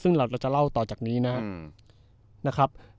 ซึ่งเราจะเล่าต่อจากนี้นะครับ